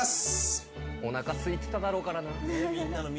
おなかすいてただろうからな。